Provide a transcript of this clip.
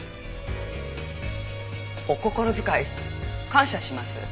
お心遣い感謝します。